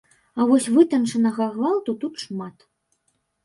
А вось вытанчанага гвалту тут шмат.